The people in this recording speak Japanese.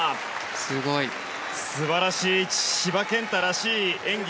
素晴らしい千葉健太らしい演技。